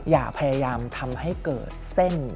อย่าพยายามทำให้เกิดเส้น